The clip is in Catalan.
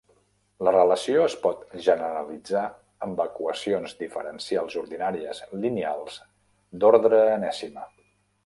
La relació es pot generalitzar amb equacions diferencials ordinàries lineals d'ordre enèsima.